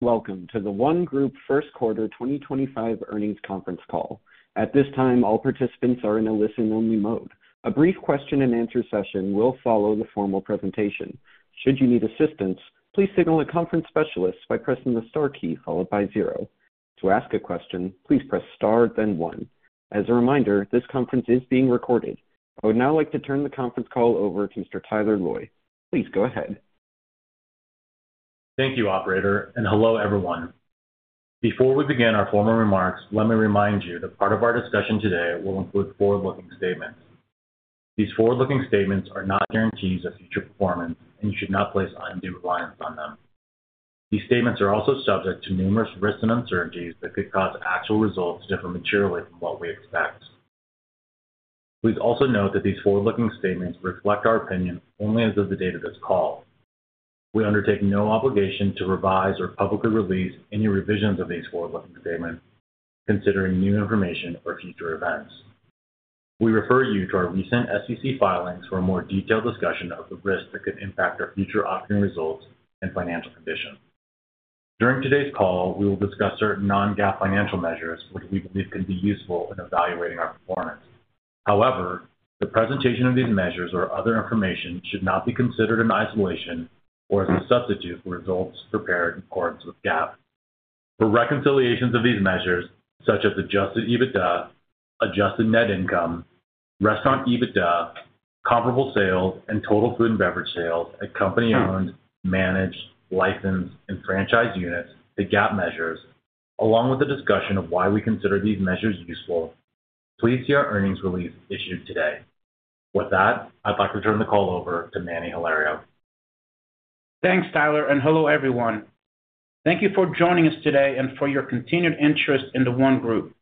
Welcome to The ONE Group first quarter 2025 earnings conference call. At this time, all participants are in a listen-only mode. A brief question-and-answer session will follow the formal presentation. Should you need assistance, please signal a conference specialist by pressing the star key followed by zero. To ask a question, please press star, then one. As a reminder, this conference is being recorded. I would now like to turn the conference call over to Mr. Tyler Loy. Please go ahead. Thank you, Operator, and hello everyone. Before we begin our formal remarks, let me remind you that part of our discussion today will include forward-looking statements. These forward-looking statements are not guarantees of future performance, and you should not place undue reliance on them. These statements are also subject to numerous risks and uncertainties that could cause actual results to differ materially from what we expect. Please also note that these forward-looking statements reflect our opinion only as of the date of this call. We undertake no obligation to revise or publicly release any revisions of these forward-looking statements, considering new information or future events. We refer you to our recent SEC filings for a more detailed discussion of the risks that could impact our future operating results and financial condition. During today's call, we will discuss certain non-GAAP financial measures, which we believe can be useful in evaluating our performance. However, the presentation of these measures or other information should not be considered in isolation or as a substitute for results prepared in accordance with GAAP. For reconciliations of these measures, such as adjusted EBITDA, adjusted net income, restaurant EBITDA, comparable sales, and total food and beverage sales at company-owned, managed, licensed, and franchised units, the GAAP measures, along with a discussion of why we consider these measures useful, please see our earnings release issued today. With that, I'd like to turn the call over to Manny Hilario. Thanks, Tyler, and hello everyone. Thank you for joining us today and for your continued interest in The ONE Group.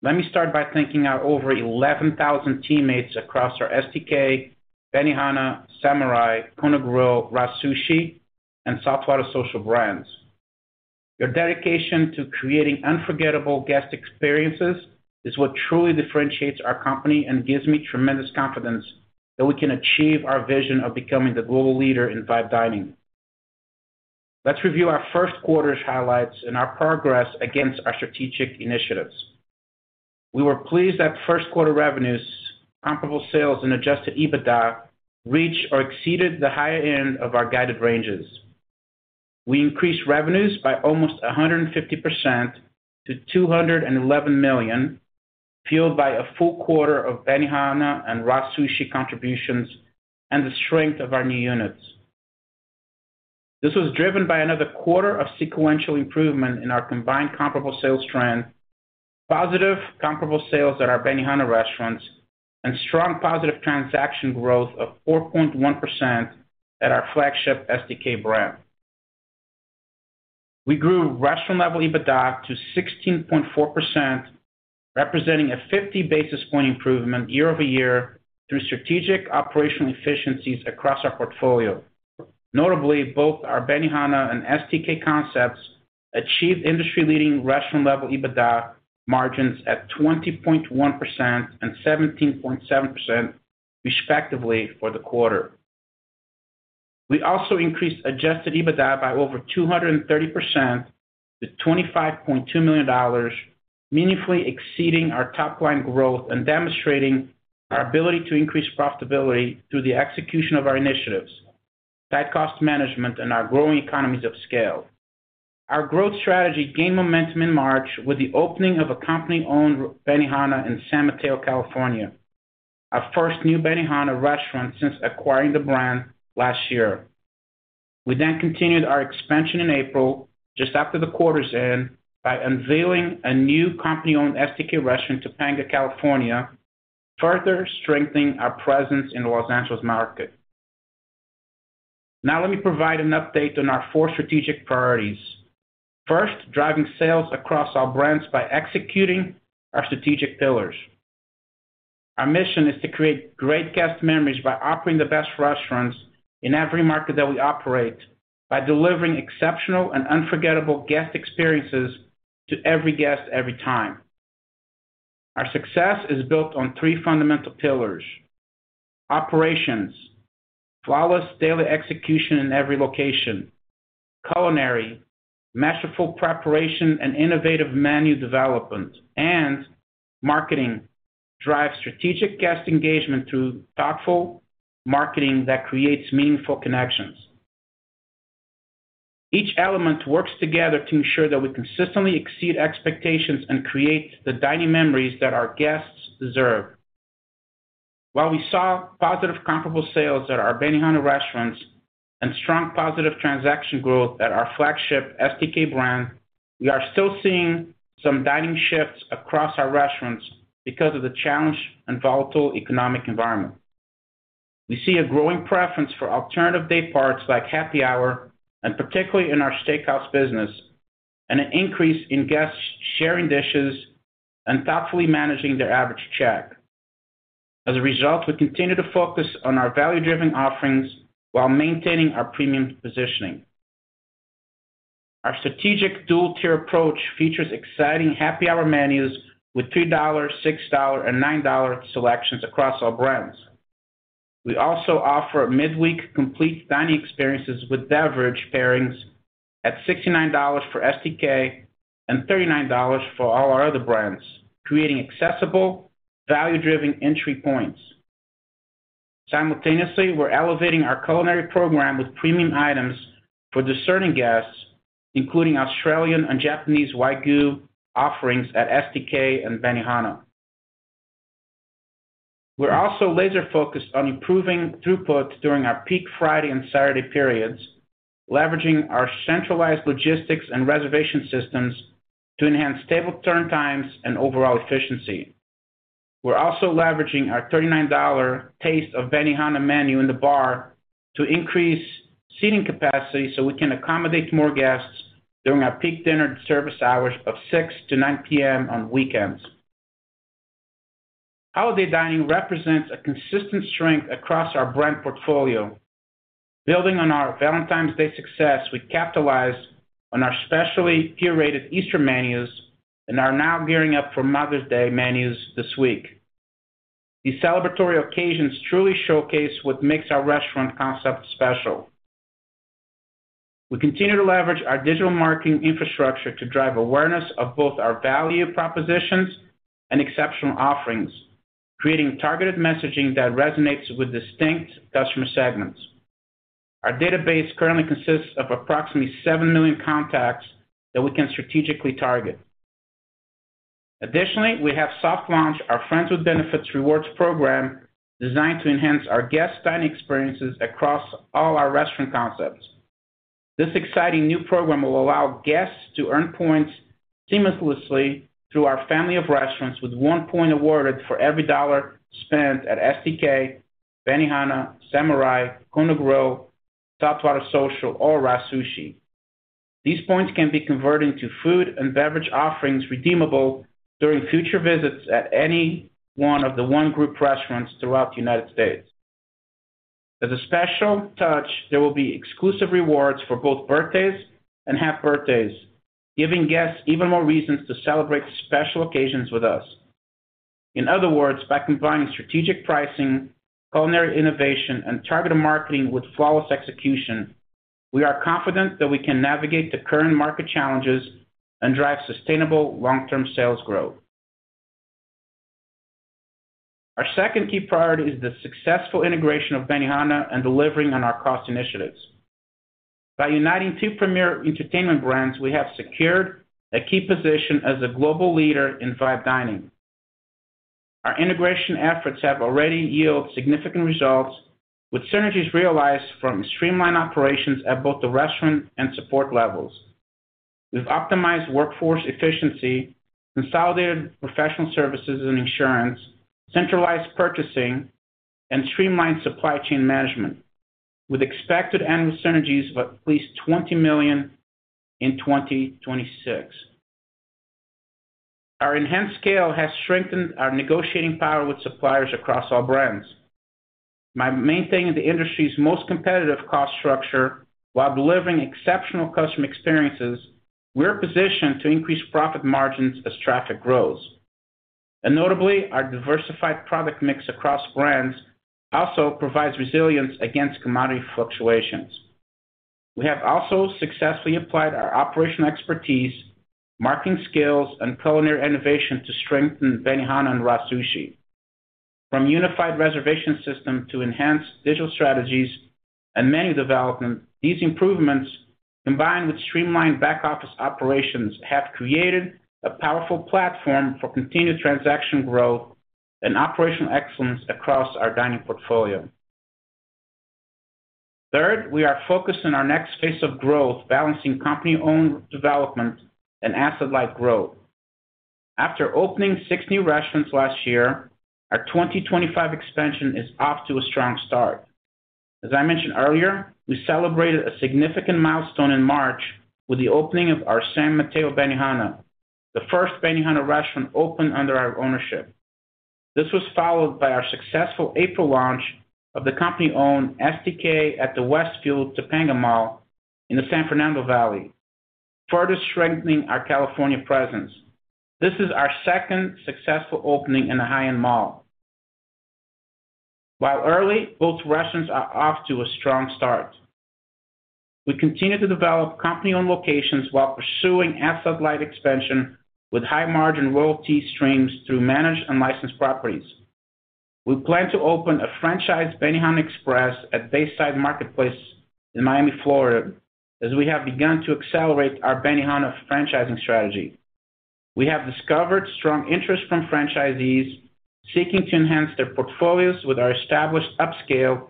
Let me start by thanking our over 11,000 teammates across our STK, Benihana, Samurai, Kona Grill, RA Sushi, and Southwater Social brands. Your dedication to creating unforgettable guest experiences is what truly differentiates our company and gives me tremendous confidence that we can achieve our vision of becoming the global leader in vibe dining. Let's review our first quarter's highlights and our progress against our strategic initiatives. We were pleased that first quarter revenues, comparable sales, and adjusted EBITDA reached or exceeded the higher end of our guided ranges. We increased revenues by almost 150% to $211 million, fueled by a full quarter of Benihana and RA Sushi contributions and the strength of our new units. This was driven by another quarter of sequential improvement in our combined comparable sales trend, positive comparable sales at our Benihana restaurants, and strong positive transaction growth of 4.1% at our flagship STK brand. We grew restaurant-level EBITDA to 16.4%, representing a 50 basis point improvement year over year through strategic operational efficiencies across our portfolio. Notably, both our Benihana and STK concepts achieved industry-leading restaurant-level EBITDA margins at 20.1% and 17.7%, respectively, for the quarter. We also increased adjusted EBITDA by over 230% to $25.2 million, meaningfully exceeding our top-line growth and demonstrating our ability to increase profitability through the execution of our initiatives, tight cost management, and our growing economies of scale. Our growth strategy gained momentum in March with the opening of a company-owned Benihana in San Mateo, California, our first new Benihana restaurant since acquiring the brand last year. We then continued our expansion in April, just after the quarter's end, by unveiling a new company-owned STK restaurant in Topanga, California, further strengthening our presence in the Los Angeles market. Now, let me provide an update on our four strategic priorities. First, driving sales across all brands by executing our strategic pillars. Our mission is to create great guest memories by offering the best restaurants in every market that we operate, by delivering exceptional and unforgettable guest experiences to every guest every time. Our success is built on three fundamental pillars: Operations, flawless daily execution in every location; Culinary, masterful preparation and innovative menu development; and Marketing, drive strategic guest engagement through thoughtful marketing that creates meaningful connections. Each element works together to ensure that we consistently exceed expectations and create the dining memories that our guests deserve. While we saw positive comparable sales at our Benihana restaurants and strong positive transaction growth at our flagship STK brand, we are still seeing some dining shifts across our restaurants because of the challenged and volatile economic environment. We see a growing preference for alternative day parts like happy hour, and particularly in our steakhouse business, and an increase in guests sharing dishes and thoughtfully managing their average check. As a result, we continue to focus on our value-driven offerings while maintaining our premium positioning. Our strategic dual-tier approach features exciting happy hour menus with $3, $6, and $9 selections across all brands. We also offer midweek complete dining experiences with beverage pairings at $69 for STK and $39 for all our other brands, creating accessible, value-driven entry points. Simultaneously, we're elevating our culinary program with premium items for discerning guests, including Australian and Japanese Wagyu offerings at STK and Benihana. We're also laser-focused on improving throughput during our peak Friday and Saturday periods, leveraging our centralized logistics and reservation systems to enhance table turn times and overall efficiency. We're also leveraging our $39 Taste of Benihana Menu in the bar to increase seating capacity so we can accommodate more guests during our peak dinner service hours of 6:00 to 9:00 P.M. on weekends. Holiday dining represents a consistent strength across our brand portfolio. Building on our Valentine's Day success, we capitalize on our specially curated Easter menus and are now gearing up for Mother's Day menus this week. These celebratory occasions truly showcase what makes our restaurant concept special. We continue to leverage our digital marketing infrastructure to drive awareness of both our value propositions and exceptional offerings, creating targeted messaging that resonates with distinct customer segments. Our database currently consists of approximately seven million contacts that we can strategically target. Additionally, we have soft-launched our Friends with Benefits Rewards program designed to enhance our guest dining experiences across all our restaurant concepts. This exciting new program will allow guests to earn points seamlessly through our family of restaurants with one point awarded for every dollar spent at STK, Benihana, Samurai, Kona Grill, Southwater Social, or RA Sushi. These points can be converted into food and beverage offerings redeemable during future visits at any one of The ONE Group restaurants throughout the United States. As a special touch, there will be exclusive rewards for both birthdays and half birthdays, giving guests even more reasons to celebrate special occasions with us. In other words, by combining strategic pricing, culinary innovation, and targeted marketing with flawless execution, we are confident that we can navigate the current market challenges and drive sustainable long-term sales growth. Our second key priority is the successful integration of Benihana and delivering on our cost initiatives. By uniting two premier entertainment brands, we have secured a key position as a global leader in vibe dining. Our integration efforts have already yielded significant results, with synergies realized from streamlined operations at both the restaurant and support levels. We've optimized workforce efficiency, consolidated professional services and insurance, centralized purchasing, and streamlined supply chain management, with expected annual synergies of at least $20 million in 2026. Our enhanced scale has strengthened our negotiating power with suppliers across all brands. By maintaining the industry's most competitive cost structure while delivering exceptional customer experiences, we're positioned to increase profit margins as traffic grows. Notably, our diversified product mix across brands also provides resilience against commodity fluctuations. We have also successfully applied our operational expertise, marketing skills, and culinary innovation to strengthen Benihana and RA Sushi. From unified reservation system to enhanced digital strategies and menu development, these improvements, combined with streamlined back-office operations, have created a powerful platform for continued transaction growth and operational excellence across our dining portfolio. Third, we are focused on our next phase of growth, balancing company-owned development and asset-like growth. After opening six new restaurants last year, our 2025 expansion is off to a strong start. As I mentioned earlier, we celebrated a significant milestone in March with the opening of our San Mateo Benihana, the first Benihana restaurant opened under our ownership. This was followed by our successful April launch of the company-owned STK at the Westfield Topanga Mall in the San Fernando Valley, further strengthening our California presence. This is our second successful opening in a high-end mall. While early, both restaurants are off to a strong start. We continue to develop company-owned locations while pursuing asset-light expansion with high-margin royalty streams through managed and licensed properties. We plan to open a franchised Benihana Express at Bayside Marketplace in Miami, Florida, as we have begun to accelerate our Benihana franchising strategy. We have discovered strong interest from franchisees seeking to enhance their portfolios with our established upscale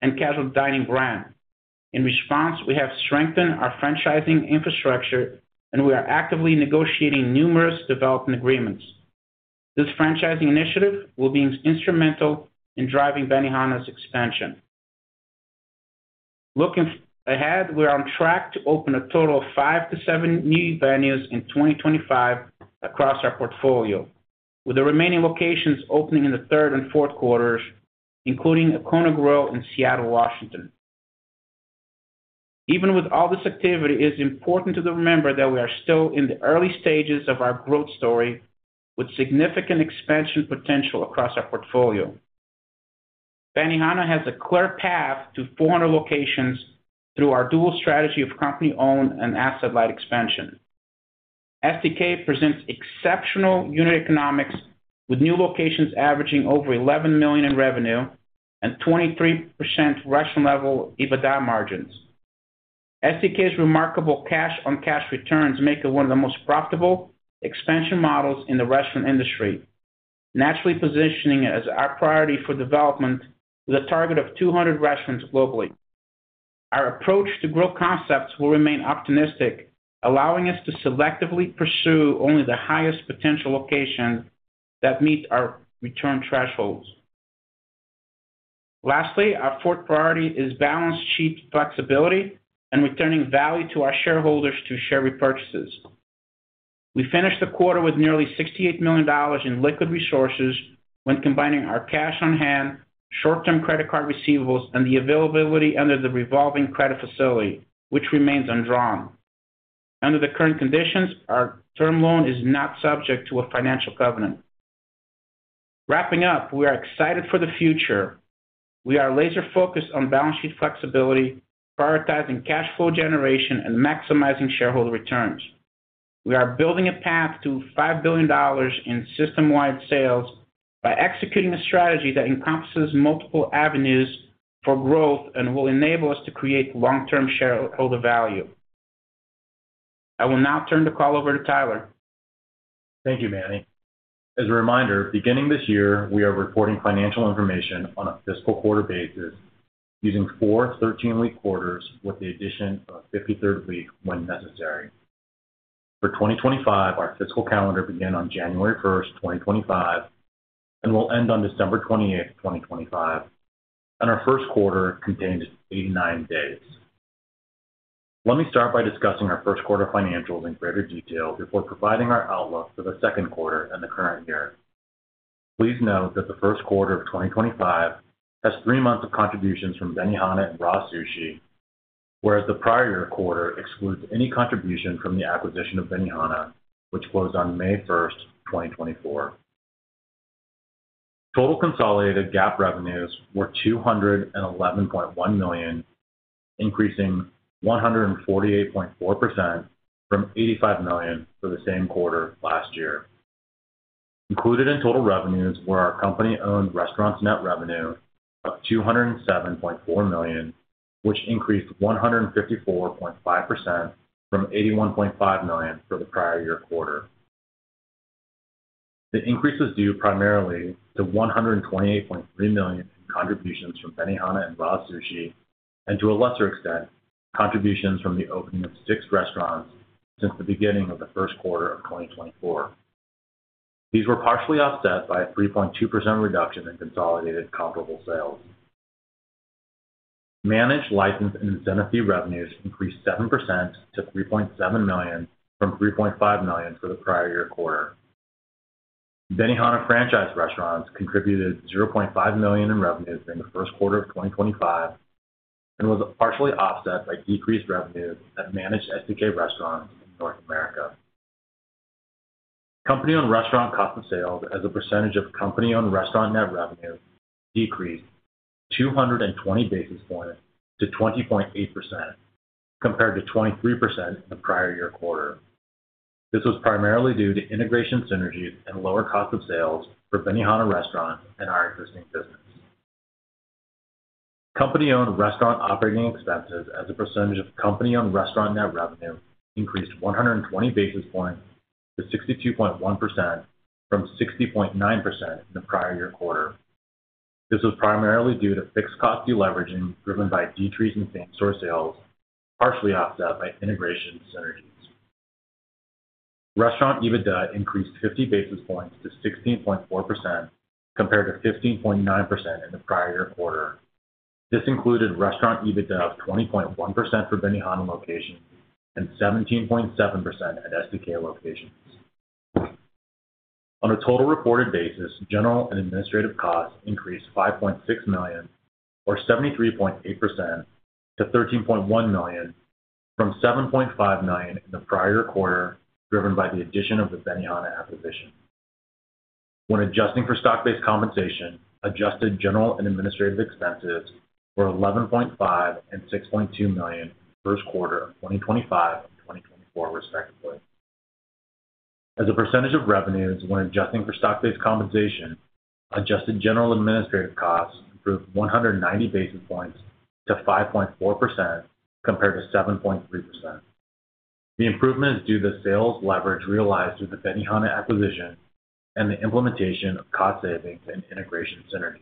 and casual dining brand. In response, we have strengthened our franchising infrastructure, and we are actively negotiating numerous development agreements. This franchising initiative will be instrumental in driving Benihana's expansion. Looking ahead, we are on track to open a total of five to seven new venues in 2025 across our portfolio, with the remaining locations opening in the third and fourth quarters, including Kona Grill in Seattle, Washington. Even with all this activity, it is important to remember that we are still in the early stages of our growth story, with significant expansion potential across our portfolio. Benihana has a clear path to 400 locations through our dual strategy of company-owned and asset-light expansion. STK presents exceptional unit economics, with new locations averaging over $11 million in revenue and 23% restaurant-level EBITDA margins. STK's remarkable cash-on-cash returns make it one of the most profitable expansion models in the restaurant industry, naturally positioning it as our priority for development with a target of 200 restaurants globally. Our approach to growth concepts will remain optimistic, allowing us to selectively pursue only the highest potential locations that meet our return thresholds. Lastly, our fourth priority is balanced sheet flexibility and returning value to our shareholders through share repurchases. We finished the quarter with nearly $68 million in liquid resources when combining our cash on hand, short-term credit card receivables, and the availability under the revolving credit facility, which remains undrawn. Under the current conditions, our term loan is not subject to a financial covenant. Wrapping up, we are excited for the future. We are laser-focused on balance sheet flexibility, prioritizing cash flow generation and maximizing shareholder returns. We are building a path to $5 billion in system-wide sales by executing a strategy that encompasses multiple avenues for growth and will enable us to create long-term shareholder value. I will now turn the call over to Tyler. Thank you, Manny. As a reminder, beginning this year, we are reporting financial information on a fiscal quarter basis using four 13-week quarters with the addition of a 53rd week when necessary. For 2025, our fiscal calendar began on January 1, 2025, and will end on December 28, 2025, and our first quarter contains 89 days. Let me start by discussing our first quarter financials in greater detail before providing our outlook for the second quarter and the current year. Please note that the first quarter of 2025 has three months of contributions from Benihana and RA Sushi, whereas the prior year quarter excludes any contribution from the acquisition of Benihana, which closed on May 1, 2024. Total consolidated GAAP revenues were $211.1 million, increasing 148.4% from $85 million for the same quarter last year. Included in total revenues were our company-owned restaurants' net revenue of $207.4 million, which increased 154.5% from $81.5 million for the prior year quarter. The increase was due primarily to $128.3 million in contributions from Benihana and RA Sushi, and to a lesser extent, contributions from the opening of six restaurants since the beginning of the first quarter of 2024. These were partially offset by a 3.2% reduction in consolidated comparable sales. Managed, licensed, and indemnity revenues increased 7% to $3.7 million from $3.5 million for the prior year quarter. Benihana franchise restaurants contributed $0.5 million in revenues during the first quarter of 2025 and was partially offset by decreased revenues at managed STK restaurants in North America. Company-owned restaurant cost of sales as a percentage of company-owned restaurant net revenue decreased 220 basis points to 20.8%, compared to 23% in the prior year quarter. This was primarily due to integration synergies and lower cost of sales for Benihana restaurants and our existing business. Company-owned restaurant operating expenses as a percentage of company-owned restaurant net revenue increased 120 basis points to 62.1% from 60.9% in the prior year quarter. This was primarily due to fixed cost deleveraging driven by decrease in same-store sales, partially offset by integration synergies. Restaurant EBITDA increased 50 basis points to 16.4%, compared to 15.9% in the prior year quarter. This included restaurant EBITDA of 20.1% for Benihana locations and 17.7% at STK locations. On a total reported basis, general and administrative costs increased $5.6 million, or 73.8%, to $13.1 million from $7.5 million in the prior year quarter, driven by the addition of the Benihana acquisition. When adjusting for stock-based compensation, adjusted general and administrative expenses were $11.5 million and $6.2 million first quarter of 2025 and 2024, respectively. As a percentage of revenues, when adjusting for stock-based compensation, adjusted general and administrative costs improved 190 basis points to 5.4%, compared to 7.3%. The improvement is due to the sales leverage realized through the Benihana acquisition and the implementation of cost savings and integration synergies.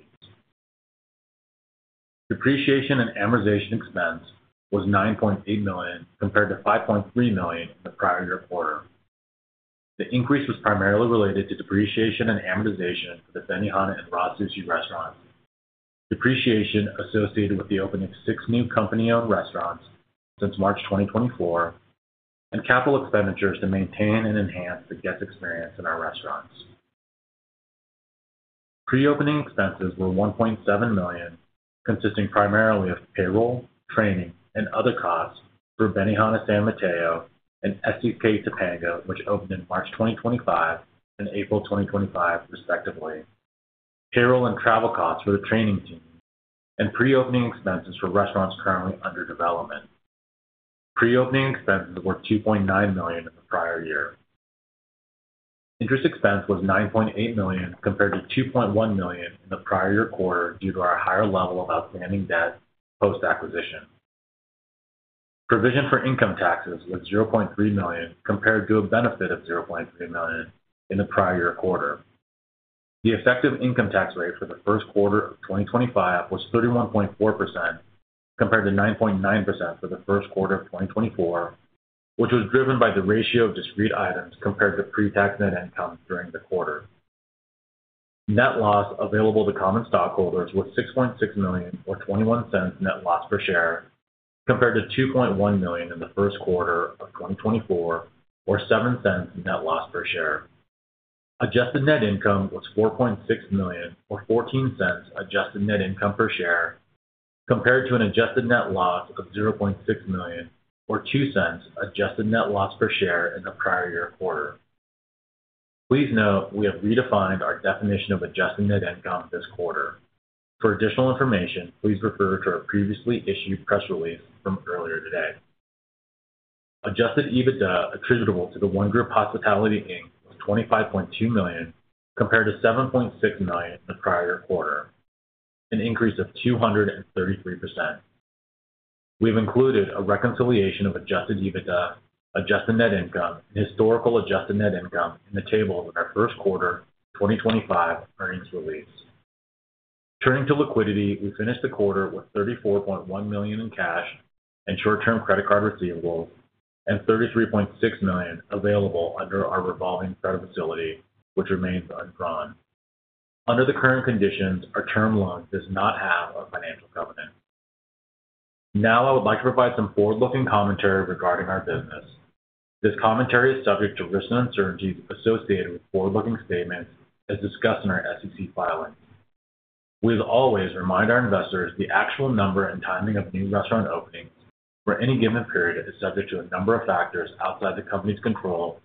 Depreciation and amortization expense was $9.8 million, compared to $5.3 million in the prior year quarter. The increase was primarily related to depreciation and amortization for the Benihana and RA Sushi restaurants, depreciation associated with the opening of six new company-owned restaurants since March 2024, and capital expenditures to maintain and enhance the guest experience in our restaurants. Pre-opening expenses were $1.7 million, consisting primarily of payroll, training, and other costs for Benihana San Mateo and STK Topanga, which opened in March 2025 and April 2025, respectively. Payroll and travel costs for the training team and pre-opening expenses for restaurants currently under development. Pre-opening expenses were $2.9 million in the prior year. Interest expense was $9.8 million, compared to $2.1 million in the prior year quarter due to our higher level of outstanding debt post-acquisition. Provision for income taxes was $0.3 million, compared to a benefit of $0.3 million in the prior year quarter. The effective income tax rate for the first quarter of 2025 was 31.4%, compared to 9.9% for the first quarter of 2024, which was driven by the ratio of discrete items compared to pre-tax net income during the quarter. Net loss available to common stockholders was $6.6 million, or $0.21 net loss per share, compared to $2.1 million in the first quarter of 2024, or $0.07 net loss per share. Adjusted net income was $4.6 million, or $0.14 adjusted net income per share, compared to an adjusted net loss of $0.6 million, or $0.02 adjusted net loss per share in the prior year quarter. Please note we have redefined our definition of adjusted net income this quarter. For additional information, please refer to our previously issued press release from earlier today. Adjusted EBITDA attributable to The ONE Group Hospitality was $25.2 million, compared to $7.6 million in the prior year quarter, an increase of 233%. We've included a reconciliation of adjusted EBITDA, adjusted net income, and historical adjusted net income in the table with our first quarter 2025 earnings release. Turning to liquidity, we finished the quarter with $34.1 million in cash and short-term credit card receivables and $33.6 million available under our revolving credit facility, which remains undrawn. Under the current conditions, our term loan does not have a financial covenant. Now, I would like to provide some forward-looking commentary regarding our business. This commentary is subject to risks and uncertainties associated with forward-looking statements as discussed in our SEC filings. We as always remind our investors the actual number and timing of new restaurant openings for any given period is subject to a number of factors outside the company's control,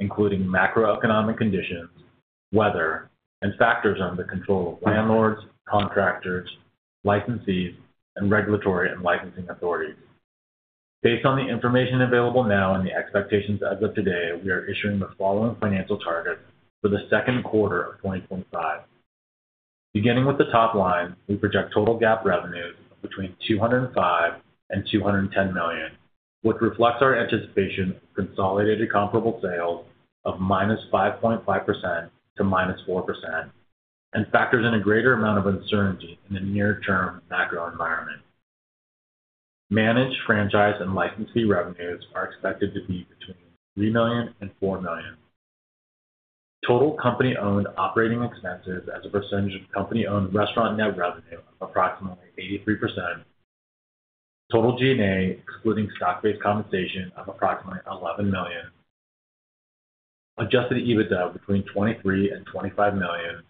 including macroeconomic conditions, weather, and factors under the control of landlords, contractors, licensees, and regulatory and licensing authorities. Based on the information available now and the expectations as of today, we are issuing the following financial targets for the second quarter of 2025. Beginning with the top line, we project total GAAP revenues of between $205 million and $210 million, which reflects our anticipation of consolidated comparable sales of -5.5% to -4% and factors in a greater amount of uncertainty in the near-term macro environment. Managed, franchised, and license revenues are expected to be between $3 million and $4 million. Total company-owned operating expenses as a percentage of company-owned restaurant net revenue of approximately 83%. Total G&A excluding stock-based compensation of approximately $11 million. Adjusted EBITDA between $23 million and $25 million.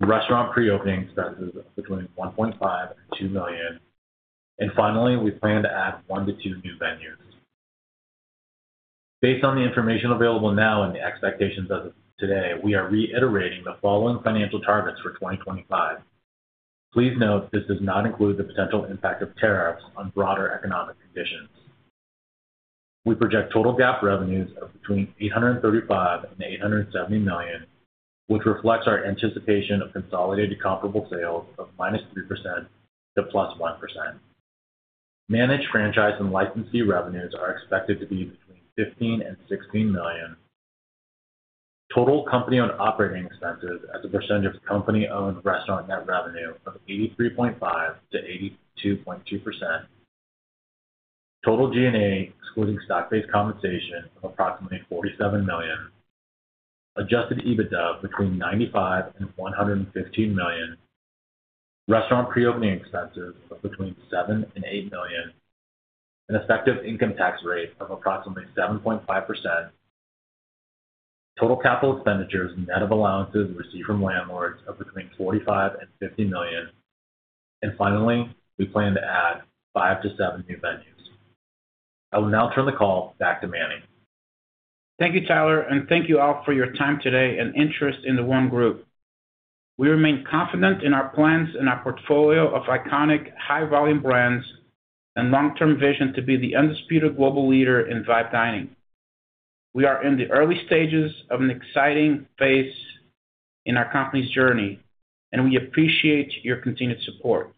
Restaurant pre-opening expenses between $1.5 million and $2 million. Finally, we plan to add one to two new venues. Based on the information available now and the expectations as of today, we are reiterating the following financial targets for 2025. Please note this does not include the potential impact of tariffs on broader economic conditions. We project total GAAP revenues of between $835 million and $870 million, which reflects our anticipation of consolidated comparable sales of -3% to +1%. Managed, franchised, and licensee revenues are expected to be between $15 million and $16 million. Total company-owned operating expenses as a percentage of company-owned restaurant net revenue of 83.5%-82.2%. Total G&A excluding stock-based compensation of approximately $47 million. Adjusted EBITDA between $95 million and $115 million. Restaurant pre-opening expenses of between $7 million and $8 million. An effective income tax rate of approximately 7.5%. Total capital expenditures net of allowances received from landlords of between $45 million and $50 million. Finally, we plan to add five to seven new venues. I will now turn the call back to Manny. Thank you, Tyler, and thank you all for your time today and interest in the ONE Group. We remain confident in our plans and our portfolio of iconic high-volume brands and long-term vision to be the undisputed global leader in vibe dining. We are in the early stages of an exciting phase in our company's journey, and we appreciate your continued support.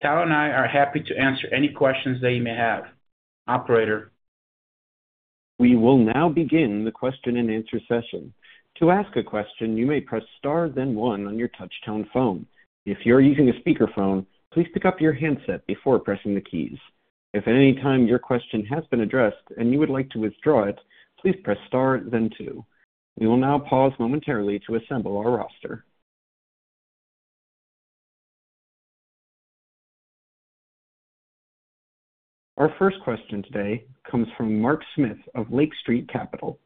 Tyler and I are happy to answer any questions that you may have, Operator. We will now begin the question-and-answer session. To ask a question, you may press Star, then one on your touch-tone phone. If you're using a speakerphone, please pick up your handset before pressing the keys. If at any time your question has been addressed and you would like to withdraw it, please press Star, then two. We will now pause momentarily to assemble our roster. Our first question today comes from Mark Smith of Lake Street Capital.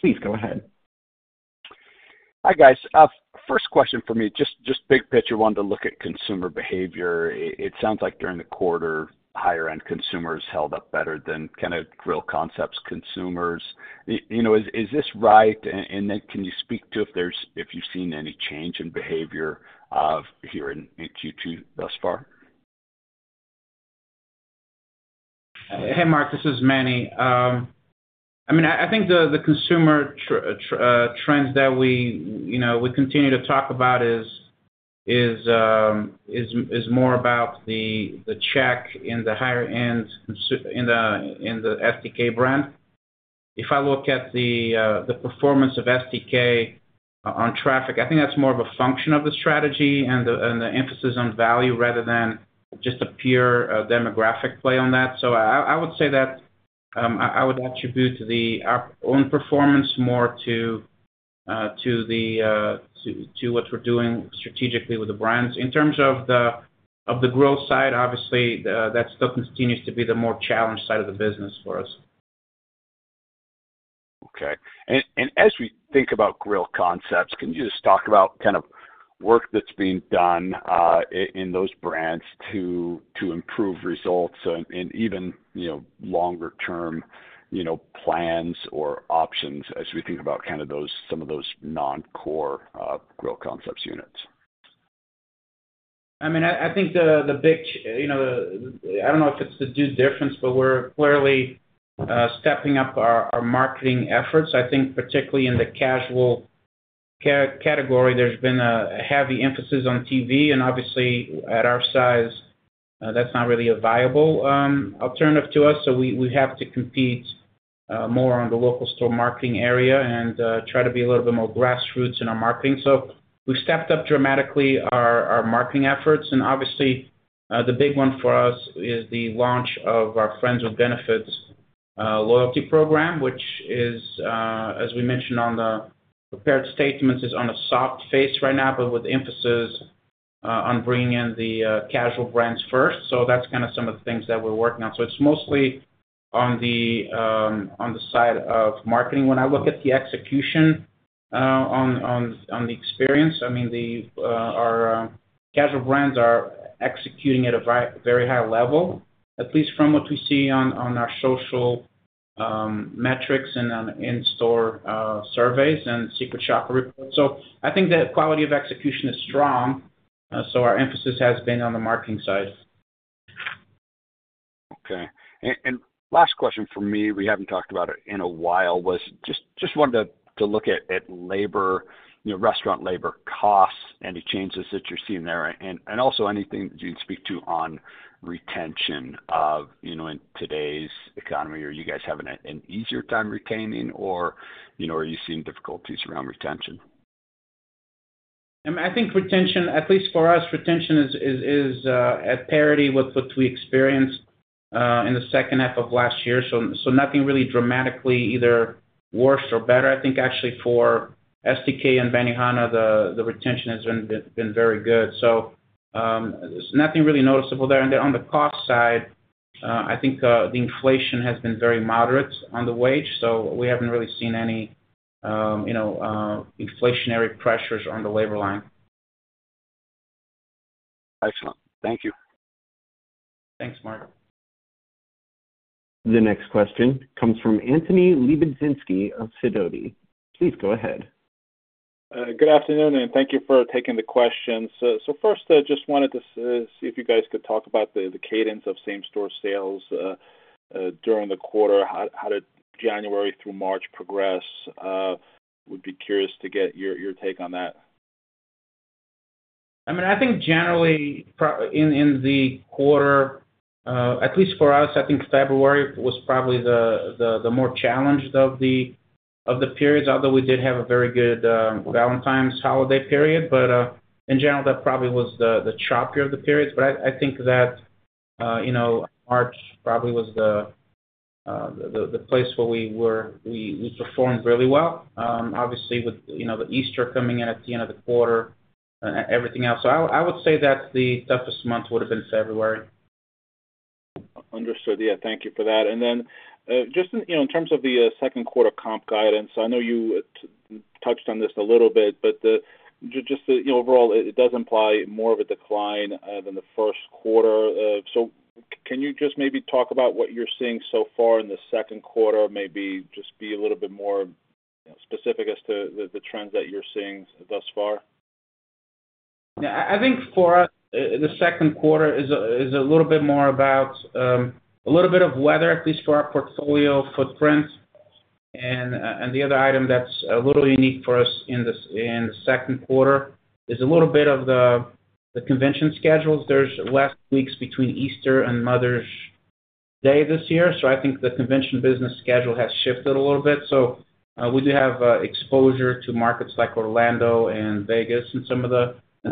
Please go ahead. Hi, guys. First question for me, just big picture, wanted to look at consumer behavior. It sounds like during the quarter, higher-end consumers held up better than kind of grill concepts consumers. Is this right? Can you speak to if you've seen any change in behavior here in Q2 thus far? Hey, Mark, this is Manny. I mean, I think the consumer trends that we continue to talk about is more about the check in the higher-end in the STK brand. If I look at the performance of STK on traffic, I think that's more of a function of the strategy and the emphasis on value rather than just a pure demographic play on that. I would say that I would attribute our own performance more to what we're doing strategically with the brands. In terms of the grill side, obviously, that still continues to be the more challenged side of the business for us. Okay. As we think about grill concepts, can you just talk about kind of work that's being done in those brands to improve results and even longer-term plans or options as we think about kind of some of those non-core grill concepts units? I mean, I think the big—I do not know if it's the due difference, but we're clearly stepping up our marketing efforts. I think particularly in the casual category, there's been a heavy emphasis on TV. Obviously, at our size, that's not really a viable alternative to us. We have to compete more on the local store marketing area and try to be a little bit more grassroots in our marketing. We've stepped up dramatically our marketing efforts. Obviously, the big one for us is the launch of our Friends with Benefits loyalty program, which is, as we mentioned on the prepared statements, is on a soft phase right now, but with emphasis on bringing in the casual brands first. That is kind of some of the things that we're working on. It is mostly on the side of marketing. When I look at the execution on the experience, I mean, our casual brands are executing at a very high level, at least from what we see on our social metrics and in-store surveys and secret shopper reports. I think the quality of execution is strong. Our emphasis has been on the marketing side. Okay. Last question for me, we have not talked about it in a while, just wanted to look at labor, restaurant labor costs and the changes that you're seeing there. Also, anything that you can speak to on retention in today's economy. Are you guys having an easier time retaining, or are you seeing difficulties around retention? I mean, I think retention, at least for us, retention is at parity with what we experienced in the second half of last year. Nothing really dramatically either worse or better. I think actually for STK and Benihana, the retention has been very good. Nothing really noticeable there. On the cost side, I think the inflation has been very moderate on the wage. We have not really seen any inflationary pressures on the labor line. Excellent. Thank you. Thanks, Mark. The next question comes from Anthony Lebiedzinski of Sidoti. Please go ahead. Good afternoon, and thank you for taking the question. First, I just wanted to see if you guys could talk about the cadence of same-store sales during the quarter, how did January through March progress. Would be curious to get your take on that. I mean, I think generally in the quarter, at least for us, I think February was probably the more challenged of the periods, although we did have a very good Valentine's holiday period. In general, that probably was the choppier of the periods. I think that March probably was the place where we performed really well. Obviously, with the Easter coming in at the end of the quarter and everything else, I would say that the toughest month would have been February. Understood. Yeah. Thank you for that. Just in terms of the second quarter comp guidance, I know you touched on this a little bit, but just overall, it does imply more of a decline than the first quarter. Can you just maybe talk about what you're seeing so far in the second quarter, maybe just be a little bit more specific as to the trends that you're seeing thus far? Yeah. I think for us, the second quarter is a little bit more about a little bit of weather, at least for our portfolio footprint. The other item that's a little unique for us in the second quarter is a little bit of the convention schedules. There's less weeks between Easter and Mother's Day this year. I think the convention business schedule has shifted a little bit. We do have exposure to markets like Orlando and Vegas and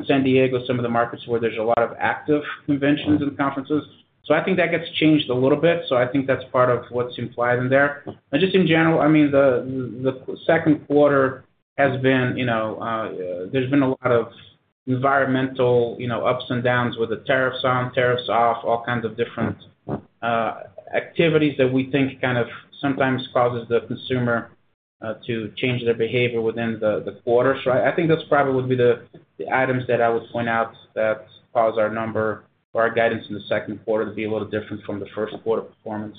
San Diego, some of the markets where there's a lot of active conventions and conferences. I think that gets changed a little bit. I think that's part of what's implied in there. Just in general, I mean, the second quarter has been, there's been a lot of environmental ups and downs with the tariffs on, tariffs off, all kinds of different activities that we think kind of sometimes causes the consumer to change their behavior within the quarter. I think that's probably would be the items that I would point out that cause our number or our guidance in the second quarter to be a little different from the first quarter performance.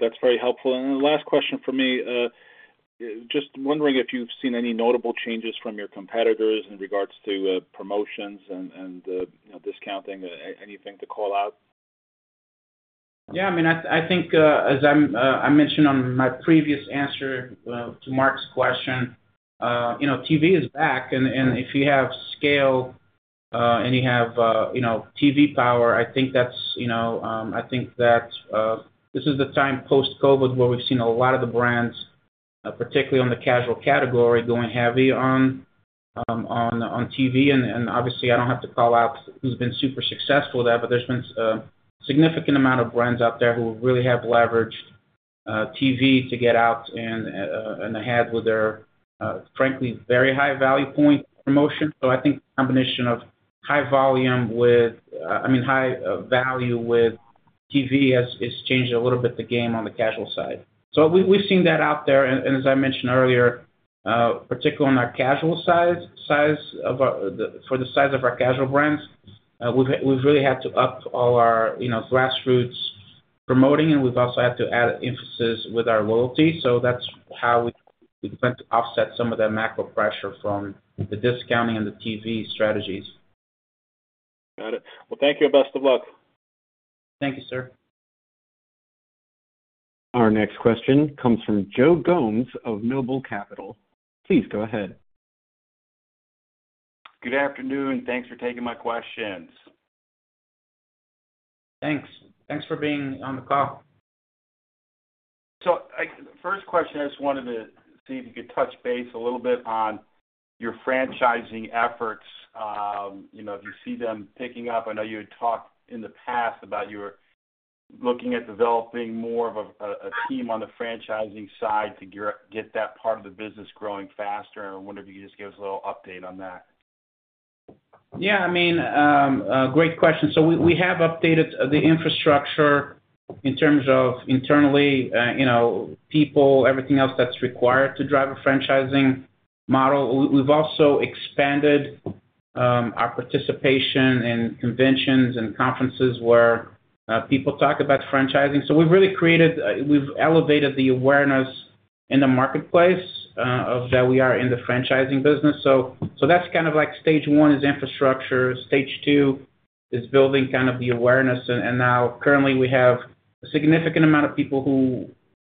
That's very helpful. The last question for me, just wondering if you've seen any notable changes from your competitors in regards to promotions and discounting, anything to call out? Yeah. I mean, I think as I mentioned on my previous answer to Mark's question, TV is back. If you have scale and you have TV power, I think that this is the time post-COVID where we've seen a lot of the brands, particularly on the casual category, going heavy on TV. Obviously, I do not have to call out who's been super successful with that, but there's been a significant amount of brands out there who really have leveraged TV to get out and ahead with their, frankly, very high-value point promotion. I think the combination of high volume with, I mean, high value with TV has changed a little bit the game on the casual side. We have seen that out there. As I mentioned earlier, particularly on the casual side of our brands, we have really had to up all our grassroots promoting, and we have also had to add emphasis with our loyalty. That is how we have been trying to offset some of that macro pressure from the discounting and the TV strategies. Got it. Thank you and best of luck. Thank you, sir. Our next question comes from Joe Gomes of Noble Capital. Please go ahead. Good afternoon. Thanks for taking my questions. Thanks. Thanks for being on the call. First question, I just wanted to see if you could touch base a little bit on your franchising efforts. If you see them picking up, I know you had talked in the past about you're looking at developing more of a team on the franchising side to get that part of the business growing faster. I wonder if you could just give us a little update on that. Yeah. I mean, great question. We have updated the infrastructure in terms of internally, people, everything else that's required to drive a franchising model. We've also expanded our participation in conventions and conferences where people talk about franchising. We've really created, we've elevated the awareness in the marketplace that we are in the franchising business. That is kind of like stage one is infrastructure. Stage two is building kind of the awareness. Currently, we have a significant amount of people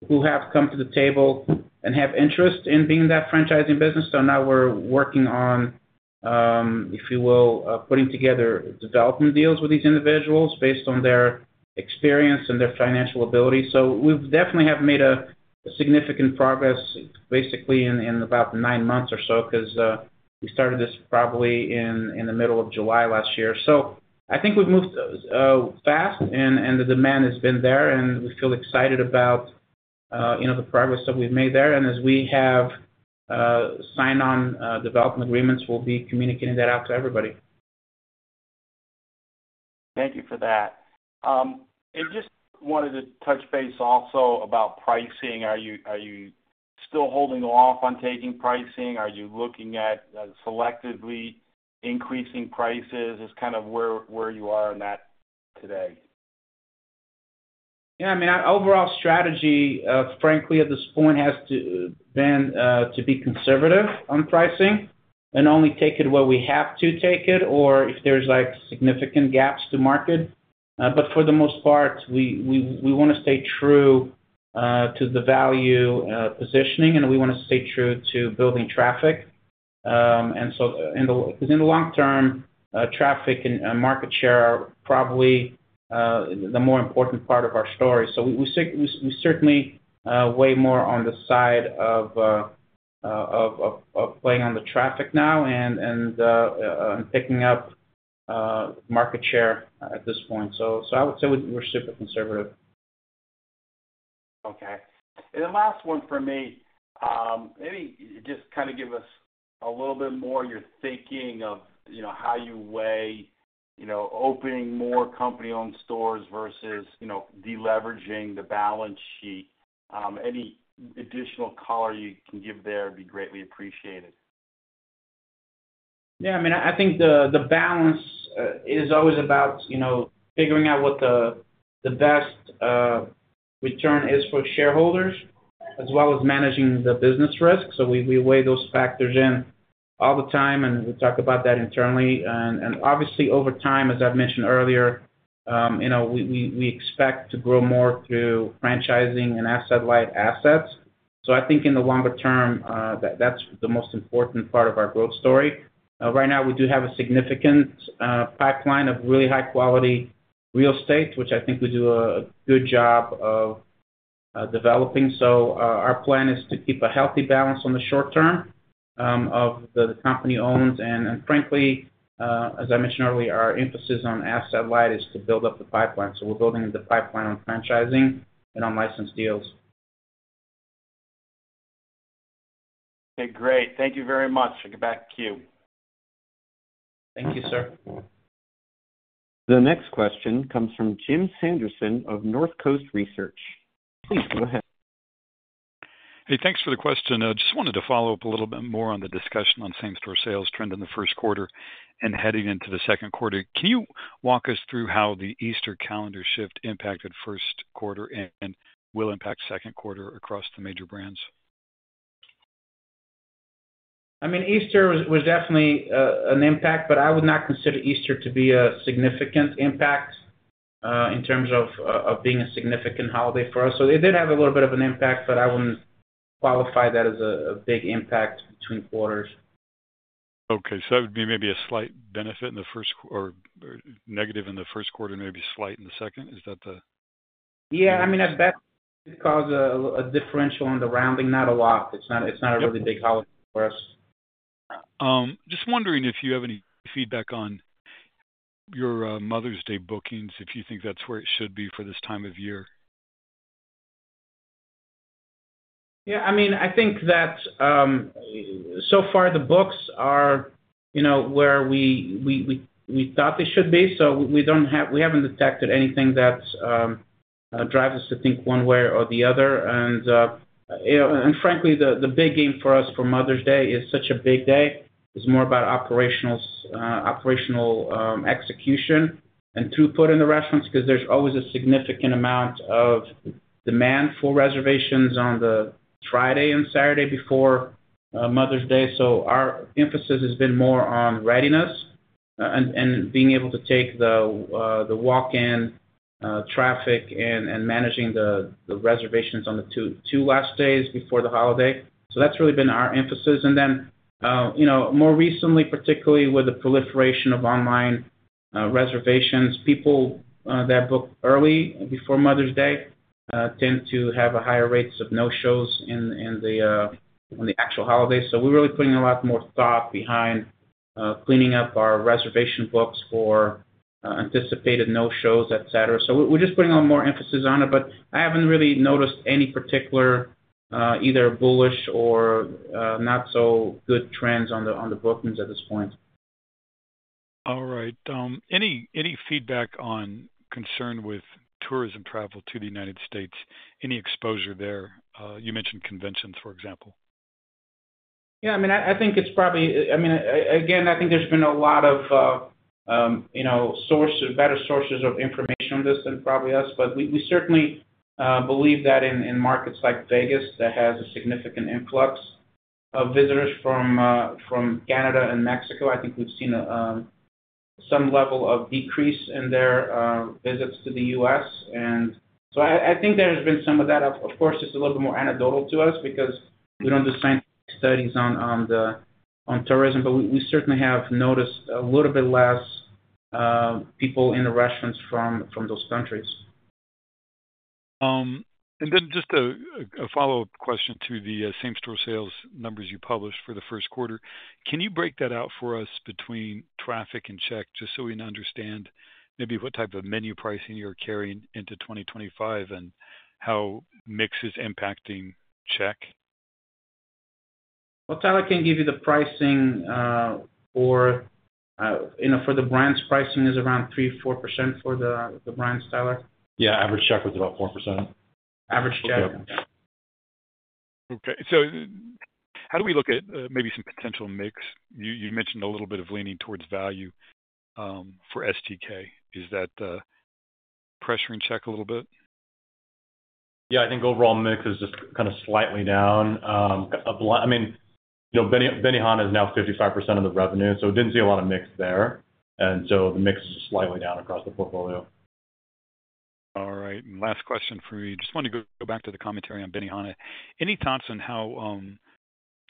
who have come to the table and have interest in being in that franchising business. Now we're working on, if you will, putting together development deals with these individuals based on their experience and their financial ability. We definitely have made significant progress basically in about nine months or so because we started this probably in the middle of July last year. I think we've moved fast, and the demand has been there, and we feel excited about the progress that we've made there. As we have signed on development agreements, we'll be communicating that out to everybody. Thank you for that. I just wanted to touch base also about pricing. Are you still holding off on taking pricing? Are you looking at selectively increasing prices? Just kind of where you are on that today. Yeah. I mean, our overall strategy, frankly, at this point has been to be conservative on pricing and only take it where we have to take it or if there's significant gaps to market. For the most part, we want to stay true to the value positioning, and we want to stay true to building traffic. In the long term, traffic and market share are probably the more important part of our story. We certainly weigh more on the side of playing on the traffic now and picking up market share at this point. I would say we're super conservative. Okay. The last one for me, maybe just kind of give us a little bit more of your thinking of how you weigh opening more company-owned stores versus deleveraging the balance sheet. Any additional color you can give there would be greatly appreciated. Yeah. I mean, I think the balance is always about figuring out what the best return is for shareholders as well as managing the business risk. We weigh those factors in all the time, and we talk about that internally. Obviously, over time, as I have mentioned earlier, we expect to grow more through franchising and asset-light assets. I think in the longer term, that is the most important part of our growth story. Right now, we do have a significant pipeline of really high-quality real estate, which I think we do a good job of developing. Our plan is to keep a healthy balance on the short term of the company-owned. Frankly, as I mentioned earlier, our emphasis on asset-light is to build up the pipeline. We are building the pipeline on franchising and on license deals. Okay. Great. Thank you very much. I'll get back to you. Thank you, sir. The next question comes from Jim Sanderson of Northcoast Research. Please go ahead. Hey, thanks for the question. I just wanted to follow up a little bit more on the discussion on same-store sales trend in the first quarter and heading into the second quarter. Can you walk us through how the Easter calendar shift impacted first quarter and will impact second quarter across the major brands? I mean, Easter was definitely an impact, but I would not consider Easter to be a significant impact in terms of being a significant holiday for us. It did have a little bit of an impact, but I wouldn't qualify that as a big impact between quarters. Okay. That would be maybe a slight benefit in the first or negative in the first quarter, maybe slight in the second. Is that the? Yeah. I mean, at best, it caused a differential on the rounding. Not a lot. It's not a really big holiday for us. Just wondering if you have any feedback on your Mother's Day bookings, if you think that's where it should be for this time of year. Yeah. I mean, I think that so far, the books are where we thought they should be. We haven't detected anything that drives us to think one way or the other. Frankly, the big game for us for Mother's Day is such a big day. It's more about operational execution and throughput in the restaurants because there's always a significant amount of demand for reservations on the Friday and Saturday before Mother's Day. Our emphasis has been more on readiness and being able to take the walk-in traffic and managing the reservations on the two last days before the holiday. That has really been our emphasis. More recently, particularly with the proliferation of online reservations, people that book early before Mother's Day tend to have higher rates of no-shows on the actual holiday. We are really putting a lot more thought behind cleaning up our reservation books for anticipated no-shows, etc. We are just putting more emphasis on it, but I have not really noticed any particular either bullish or not-so-good trends on the bookings at this point. All right. Any feedback on concern with tourism travel to the United States? Any exposure there? You mentioned conventions, for example. Yeah. I mean, I think it's probably, I mean, again, I think there's been a lot of better sources of information on this than probably us, but we certainly believe that in markets like Vegas that has a significant influx of visitors from Canada and Mexico. I think we've seen some level of decrease in their visits to the U.S. And so I think there has been some of that. Of course, it's a little bit more anecdotal to us because we don't do scientific studies on tourism, but we certainly have noticed a little bit less people in the restaurants from those countries. And then just a follow-up question to the same-store sales numbers you published for the first quarter. Can you break that out for us between traffic and check, just so we can understand maybe what type of menu pricing you're carrying into 2025 and how mix is impacting check? Tyler can give you the pricing for the brands. Pricing is around 3%-4% for the brands, Tyler. Yeah. Average check was about 4%. Average check. Okay. How do we look at maybe some potential mix? You mentioned a little bit of leaning towards value for STK. Is that pressuring check a little bit? Yeah. I think overall mix is just kind of slightly down. I mean, Benihana is now 55% of the revenue, so it did not see a lot of mix there. The mix is slightly down across the portfolio. All right. Last question for me. Just wanted to go back to the commentary on Benihana. Any thoughts on how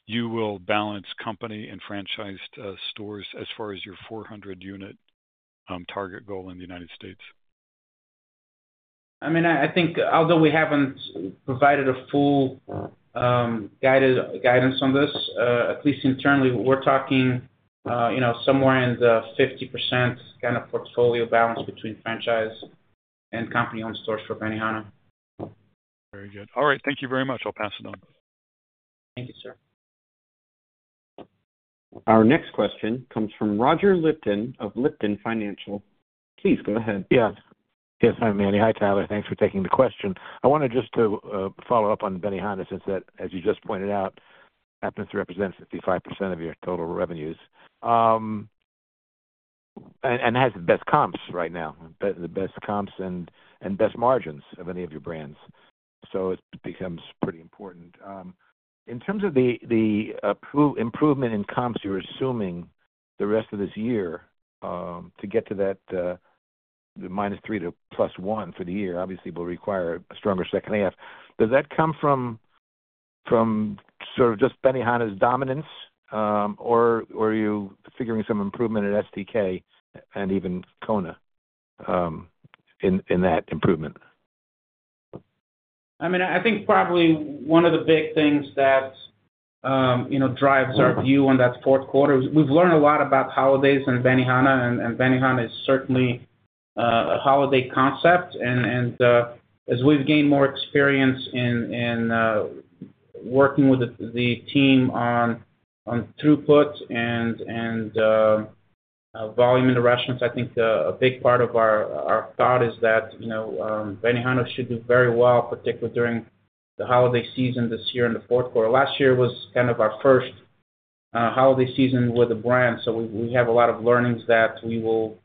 you will balance company and franchised stores as far as your 400-unit target goal in the United States? I mean, I think although we have not provided a full guidance on this, at least internally, we are talking somewhere in the 50% kind of portfolio balance between franchise and company-owned stores for Benihana. Very good. All right. Thank you very much. I will pass it on. Thank you, sir. Our next question comes from Roger Lipton of Lipton Financial. Please go ahead. Yeah. Yes. Hi, Manny. Hi, Tyler. Thanks for taking the question. I wanted just to follow up on Benihana since that, as you just pointed out, happens to represent 55% of your total revenues and has the best comps right now, the best comps and best margins of any of your brands. So it becomes pretty important. In terms of the improvement in comps, you're assuming the rest of this year to get to that -3% to +1% for the year obviously will require a stronger second half. Does that come from sort of just Benihana's dominance, or are you figuring some improvement in STK and even Kona in that improvement? I mean, I think probably one of the big things that drives our view on that fourth quarter, we've learned a lot about holidays and Benihana, and Benihana is certainly a holiday concept. As we've gained more experience in working with the team on throughput and volume in the restaurants, I think a big part of our thought is that Benihana should do very well, particularly during the holiday season this year in the fourth quarter. Last year was kind of our first holiday season with a brand, so we have a lot of learnings that we will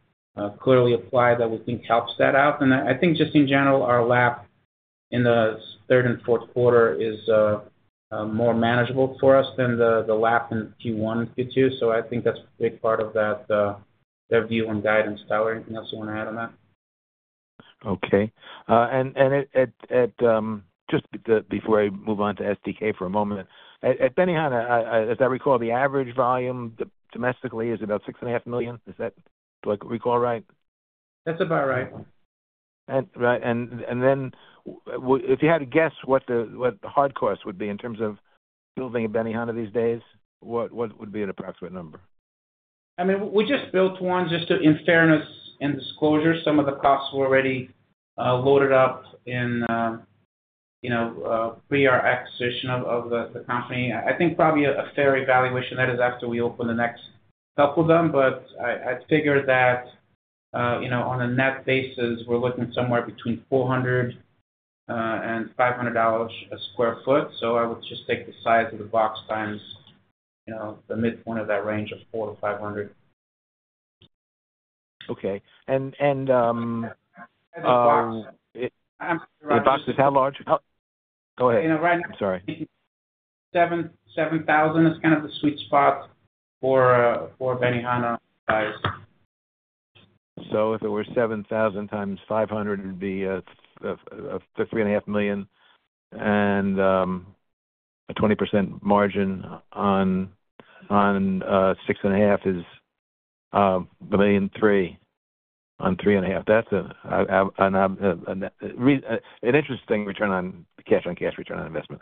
clearly apply that we think helps that out. I think just in general, our lap in the third and fourth quarter is more manageable for us than the lap in Q1 and Q2. I think that's a big part of that view and guidance. Tyler, anything else you want to add on that? Okay. Just before I move on to STK for a moment, at Benihana, as I recall, the average volume domestically is about $6.5 million. Do I recall right? That's about right. Right. If you had to guess what the hard cost would be in terms of building a Benihana these days, what would be an approximate number? I mean, we just built one just in fairness and disclosure. Some of the costs were already loaded up in pre-acquisition of the company. I think probably a fair evaluation that is after we open the next couple of them, but I figured that on a net basis, we're looking somewhere between $400-$500 a sq ft. I would just take the size of the box times the midpoint of that range of $400-$500. Okay. And the box is how large? Go ahead. I'm sorry. 7,000 is kind of the sweet spot for Benihana price. If it were 7,000 times $500, it'd be $3.5 million, and a 20% margin on $6.5 million is $1.3 million on $3.5 million. That's an interesting return on cash on cash return on investment.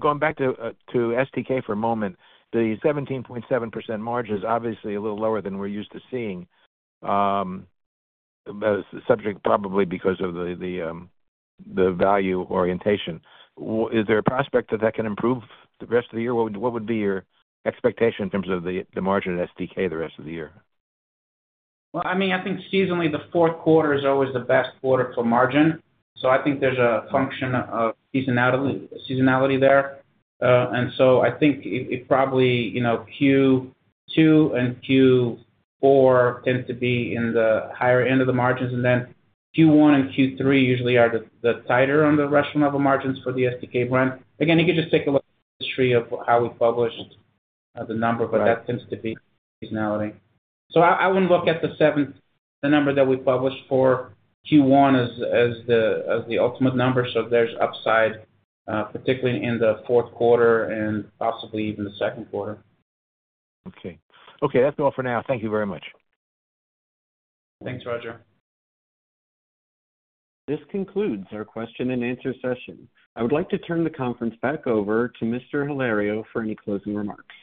Going back to STK for a moment, the 17.7% margin is obviously a little lower than we're used to seeing, subject probably because of the value orientation. Is there a prospect that that can improve the rest of the year? What would be your expectation in terms of the margin at STK the rest of the year? I mean, I think seasonally, the fourth quarter is always the best quarter for margin. I think there's a function of seasonality there. I think probably Q2 and Q4 tend to be in the higher end of the margins. Q1 and Q3 usually are the tighter on the restaurant-level margins for the STK brand. Again, you could just take a look at the history of how we published the number, but that tends to be seasonality. I would not look at the number that we published for Q1 as the ultimate number. There is upside, particularly in the fourth quarter and possibly even the second quarter. Okay. Okay. That is all for now. Thank you very much. Thanks, Roger. This concludes our question-and-answer session. I would like to turn the conference back over to Mr. Hilario for any closing remarks.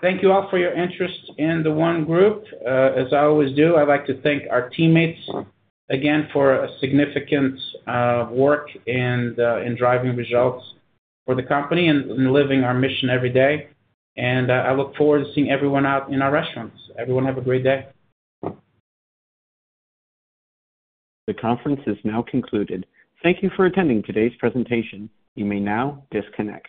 Thank you all for your interest in the One Group. As I always do, I would like to thank our teammates again for significant work in driving results for the company and living our mission every day. I look forward to seeing everyone out in our restaurants. Everyone have a great day. The conference is now concluded. Thank you for attending today's presentation. You may now disconnect.